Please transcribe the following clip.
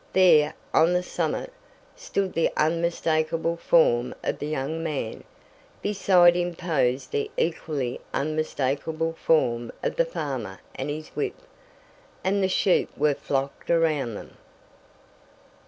There, on the summit, stood the unmistakable form of the young man. Beside him posed the equally unmistakable form of the farmer and his whip. And the sheep were flocked around them!